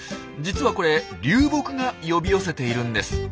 実はこれ流木が呼び寄せているんです。